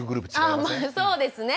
あまあそうですね。